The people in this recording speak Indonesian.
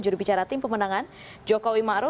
jurubicara tim pemenangan joko wimakruf